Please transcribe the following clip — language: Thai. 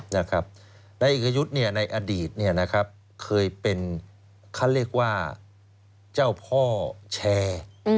นายเอกยุทธ์ในอดีตเคยเป็นเขาเรียกว่าเจ้าพ่อแชร์